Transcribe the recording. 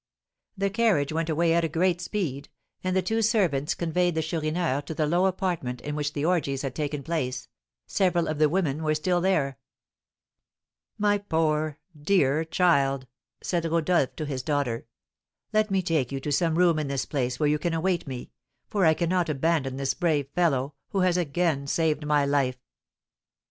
The carriage went away at a great speed, and the two servants conveyed the Chourineur to the low apartment in which the orgies had taken place; several of the women were still there. "My poor, dear child!" said Rodolph, to his daughter, "let me take you to some room in this place where you can await me, for I cannot abandon this brave fellow, who has again saved my life."